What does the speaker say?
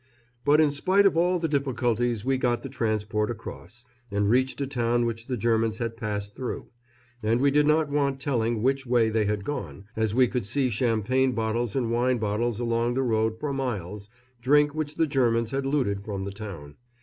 But in spite of all the difficulties we got the transport across, and reached a town which the Germans had passed through; and we did not want telling which way they had gone, as we could see champagne bottles and wine bottles along the road for miles drink which the Germans had looted from the town.